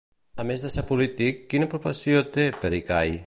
A més de ser polític, quina professió té Pericay?